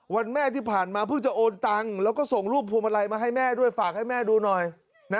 วันแม่ที่ผ่านมาเพิ่งจะโอนตังค์แล้วก็ส่งรูปพวงมาลัยมาให้แม่ด้วยฝากให้แม่ดูหน่อย